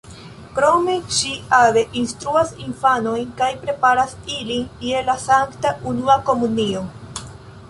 Krome ŝi ade instruas infanojn kaj preparas ilin je la sankta unua komunio.